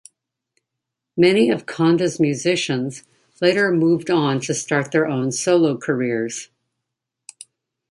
Many of Kanda's musicians later moved on to start their own solo careers.